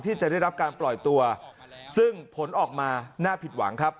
ที่จะได้รับการปล่อยตัวซึ่งผลออกมาน่าผิดหวังครับ